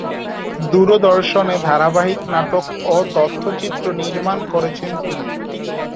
দূরদর্শনে ধারাবাহিক নাটক ও তথ্যচিত্র নির্মাণ করেছেন তিনি।